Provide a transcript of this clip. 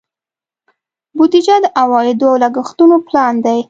بودیجه د عوایدو او لګښتونو پلان دی.